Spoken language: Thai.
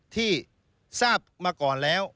ที่ทราบมาก่อนแล้ว